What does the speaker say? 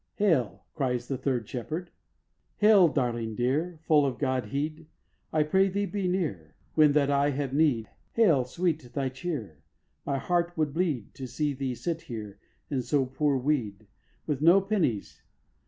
"Hail," cries the third shepherd Hail, darling dear, full of godheed! I pray Thee be near, when that I have need. Hail! sweet Thy cheer! My heart would bleed To see Thee sit here in so poor weed, With no pennies.